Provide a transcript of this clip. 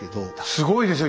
すごいですよ。